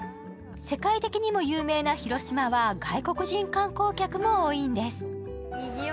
世界的にも有名な広島は外国人観光客も多いんです。